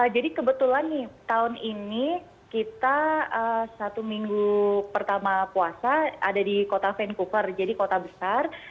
jadi kebetulan tahun ini kita satu minggu pertama puasa ada di kota vancouver jadi kota besar